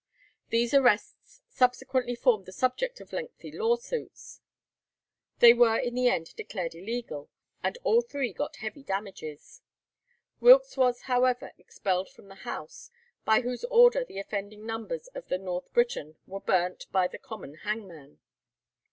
These arrests subsequently formed the subject of lengthy lawsuits; they were in the end declared illegal, and all three got heavy damages. Wilkes was, however, expelled from the House, by whose order the offending numbers of the 'North Briton' were burnt by the common hangman.